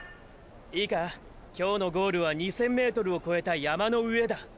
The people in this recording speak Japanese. いいか今日のゴールは２０００ｍをこえた山の上だ。